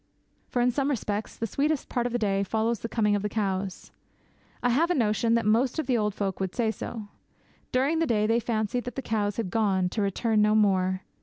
For, in some respects, the sweetest part of the day follows the coming of the cows. I have a notion that most of the old folk would say so. During the day they fancied that the cows had gone, to return no more.